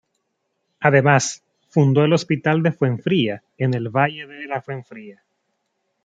Además, fundó el Hospital de Fuenfría, en el valle de la Fuenfría.